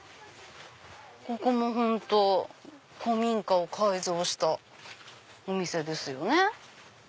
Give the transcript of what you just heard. ここも本当古民家を改造したお店ですよね。